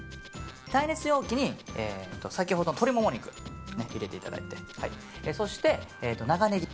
耐熱容器に先ほどの鶏モモ肉を入れていただいてそして、長ネギ。